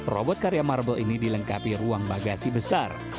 robot karya marble ini dilengkapi ruang bagasi besar